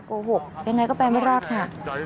โกหกยังไงก็ไปไม่รอดค่ะ